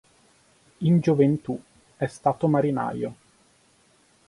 In gioventù è stato marinaio.